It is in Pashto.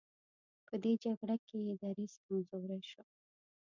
په دې جګړه کې یې دریځ کمزوری شو.